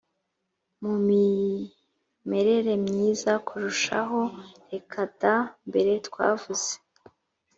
mu mimerere myiza kurushaho reka da mbere twavuze